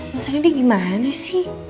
mas ren ini gimana sih